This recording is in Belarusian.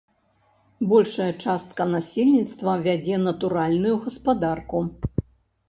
Большая частка насельніцтва вядзе натуральную гаспадарку.